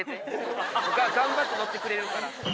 ・頑張って乗ってくれるから。